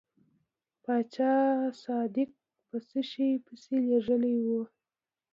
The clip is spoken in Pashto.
پاچا قاصد په څه شي پسې لیږلی و.